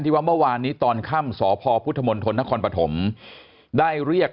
ว่าเมื่อวานนี้ตอนค่ำสพพุทธมนตรนครปฐมได้เรียก